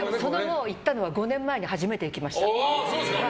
行ったのは５年前に初めて行きました。